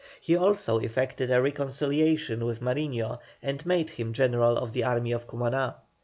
He also effected a reconciliation with Mariño and made him general of the Army of Cumaná.